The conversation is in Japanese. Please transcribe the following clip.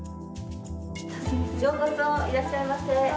ようこそいらっしゃいませ。